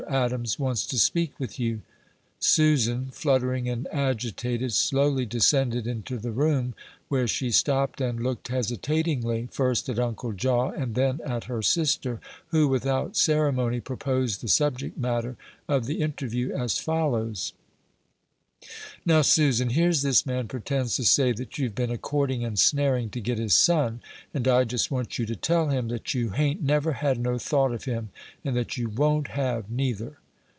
Adams wants to speak with you." Susan, fluttering and agitated, slowly descended into the room, where she stopped, and looked hesitatingly, first at Uncle Jaw and then at her sister, who, without ceremony, proposed the subject matter of the interview as follows: "Now, Susan, here's this man pretends to say that you've been a courting and snaring to get his son; and I just want you to tell him that you hain't never had no thought of him, and that you won't have, neither."